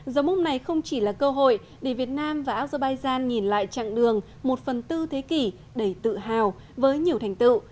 dấu mốc này không chỉ là cơ hội để việt nam và azerbaijan nhìn lại chặng đường một phần tư thế kỷ đầy tự hào với nhiều thành tựu